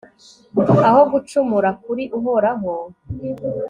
aho gucumura kuri uhoraho